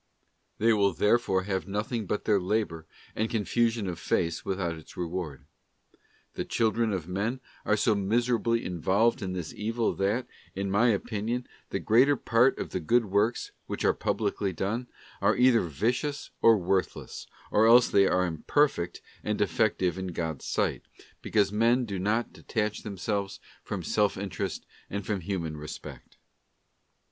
{ They will therefore have nothing but their labour, and confusion of face without its reward. The children of men are so miserably involved in this evil that, in my opi nion, the greater part of the good works, which are publicly done, are either vicious or worthless, or they are imper fect and defective in God's sight, because men do not de tach themselves from self interest and from human respect.